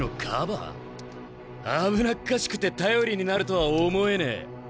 危なっかしくて頼りになるとは思えねえ。